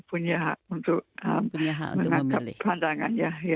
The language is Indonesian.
punya hak untuk menangkap pandangannya